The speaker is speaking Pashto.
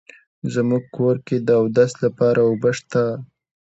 زمونږ کور کې د اودس لپاره اوبه شته